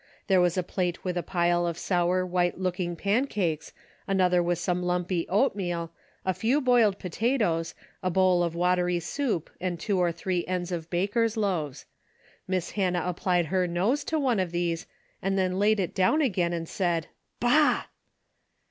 There was a plate with a pile of sour white looking pan cakes, another with some lumpy oatmeal, a few boiled potatoes, a bowl of watery soup and two or three ends of baker's loaves. Miss Hannah applied her nose to one of these and then laid it down again and said, " Bah